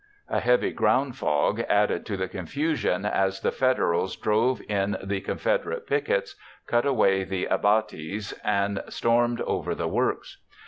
A heavy ground fog added to the confusion as the Federals drove in the Confederate pickets, cut away the abatis, and stormed over the works.